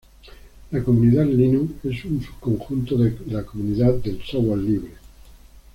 La comunidad Linux es un subconjunto de la comunidad del software libre.